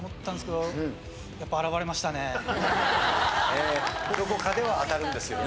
どこかでは当たるんですよね。